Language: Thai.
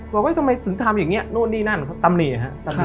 บอกว่าเฮ้ยทำไมถึงทำอย่างเนี่ยนู่นนี่นั่นตำนี่อะฮะ